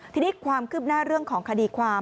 ทีนี้ความคืบหน้าเรื่องของคดีความ